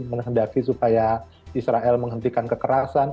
menghendaki supaya israel menghentikan kekerasan